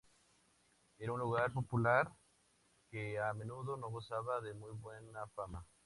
Era un lugar popular, que a menudo no gozaba de muy buena fama.